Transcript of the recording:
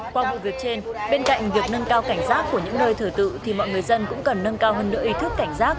qua vụ việc trên bên cạnh việc nâng cao cảnh giác của những nơi thờ tự thì mọi người dân cũng cần nâng cao hơn nửa ý thức cảnh giác